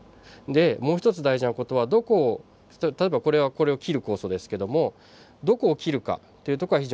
でもう一つ大事な事はどこを例えばこれはこれを切る酵素ですけどもどこを切るかというとこが非常に重要になります。